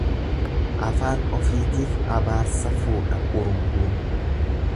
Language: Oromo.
Afaan ofiitiif abaarsa fuudha urunguun.